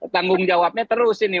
tanggung jawabnya terus ini